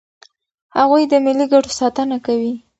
هغوی د ملي ګټو ساتنه کوي.